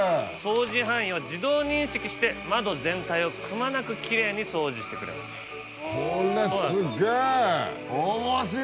掃除範囲を自動認識して窓全体をくまなくきれいに掃除してくれます。